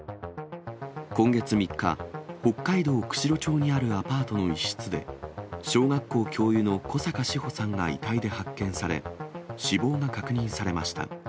今月３日、北海道釧路町にあるアパートの一室で、小学校教諭の小阪志保さんが遺体で発見され、死亡が確認されました。